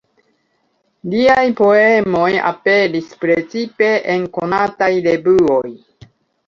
Liaj poemoj aperis precipe en konataj revuoj.